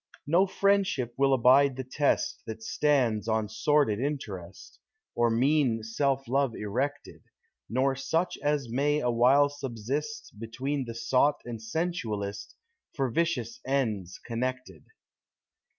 No friendship will abide the test, That stands on sordid interest, Or mean self love erected ; Nor such as may awhile subsist, Hetween the sot and sensualist, For vicious ends connected.